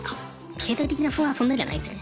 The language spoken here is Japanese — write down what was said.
経済的な不安はそんなにはないですね。